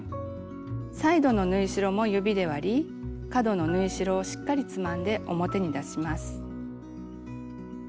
サイドの縫い代も指で割り角の縫い代をしっかりつまんで表に出します。